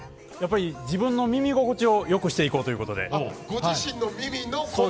自分の耳心地をよくしていこうということで。